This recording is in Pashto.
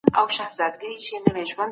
سازمانونه څنګه سیاسي بندیان خوشي کوي؟